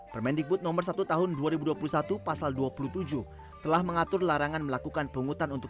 permendikbud nomor satu tahun dua ribu dua puluh satu pasal dua puluh tujuh telah mengatur larangan melakukan penghutan untuk